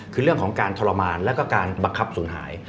คือเรื่องของการทรมานแล้วก็การบังคับศูนย์หาย